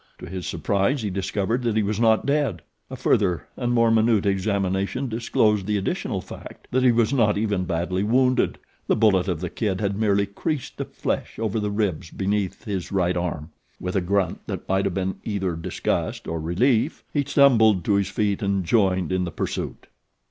To his surprise he discovered that he was not dead. A further and more minute examination disclosed the additional fact that he was not even badly wounded. The bullet of The Kid had merely creased the flesh over the ribs beneath his right arm. With a grunt that might have been either disgust or relief he stumbled to his feet and joined in the pursuit.